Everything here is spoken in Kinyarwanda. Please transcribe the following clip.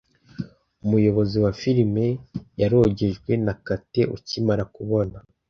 Umuyobozi wa firime yarogejwe na Kate ukimara kubona.